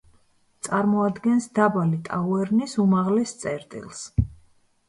წარმოადგენს დაბალი ტაუერნის უმაღლეს წერტილს.